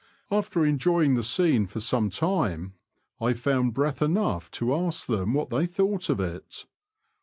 After enjoying the scene for some time, I found breath enough to ask them what they thought of it.